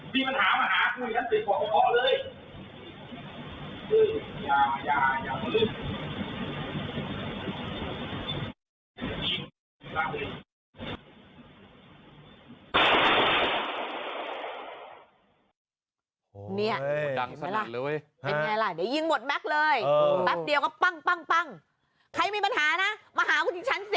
บอกเลยทุกนี้น่ะถ้าใครน่ะมึงถอยรถไม่ได้น่ะมีเชิง